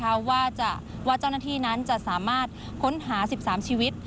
เพราะว่าเจ้าหน้าที่นั้นจะสามารถค้นหา๑๓ชีวิต